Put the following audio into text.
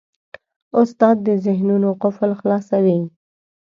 استاد د ذهنونو قفل خلاصوي.